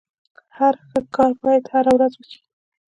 هر ښه کار بايد هره ورځ وسي.